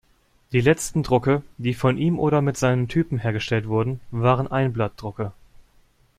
Die letzten Drucke, die von ihm oder mit seinen Typen hergestellt wurden, waren Einblattdrucke.